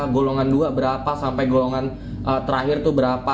golongan dua berapa sampai golongan terakhir itu berapa